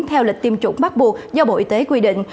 theo lịch tiêm chủng bắt buộc do bộ y tế quy định